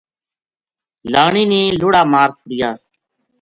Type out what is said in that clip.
لانی نے لُڑا مار چھُڑیا